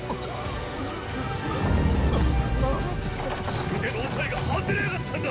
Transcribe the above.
「継ぎ手の押さえが外れやがったんだ」